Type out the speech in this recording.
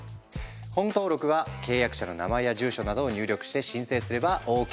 本登録は契約者の名前や住所などを入力して申請すればＯＫ！